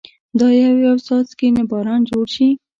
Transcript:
دا يو يو څاڅکي نه باران جوړ شي